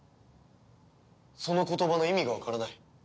その言葉の意味がわからない。